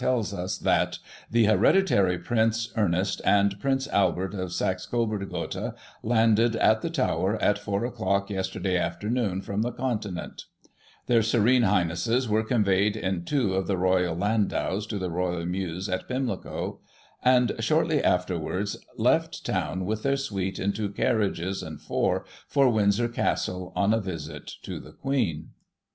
tells us, that *' The Hereditary Prince (Ernest) and Prince Albert of Saxe Coburg Gotha, landed at fhe Tower, at 4 o'clock yesterday afternoon, from the Continent. Their Serene High nesses were conveyed in two of the Royal landaus to the Royal Mews at Pimhco, and, shortly afterwards, left town Digitized by Google 1 839] THE QUEEN'S MARRIAGE. 113 with their suite in two carriages and four, for Windsor Castle, on a visit to the Queen."